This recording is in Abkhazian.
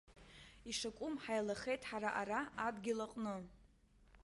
Ишакәым ҳаилахеит ҳара ара, адгьыл аҟны.